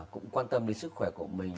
cũng quan tâm đến sức khỏe của mình